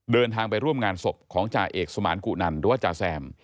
เดินทางไปร่วมงานศพของจ่าเอกสมานกุนันหรือว่าจาแซม